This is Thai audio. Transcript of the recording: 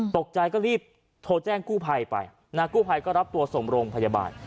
ตกใจก็รีบโทรแจ้งกู้ภัยไปนะกู้ภัยก็รับตัวส่งโรงพยาบาล